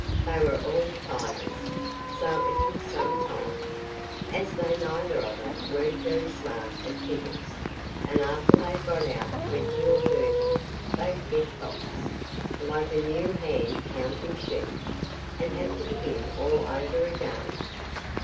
They were all fivers so it took some time as they neither of 'em weren't very smart at figures, and after they'd got out twenty or thirty they'd get boxed, like a new hand counting sheep, and have to begin all over again.